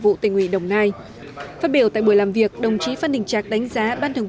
vụ tỉnh ủy đồng nai phát biểu tại buổi làm việc đồng chí phan đình trạc đánh giá ban thường